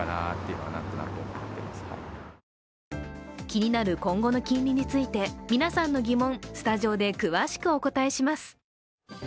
気になる今後の金利について皆さんの疑問、スタジオで詳しくお答えします。